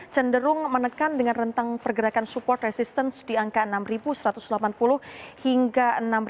cenderung menekan dengan rentang pergerakan support resistance di angka enam satu ratus delapan puluh hingga enam belas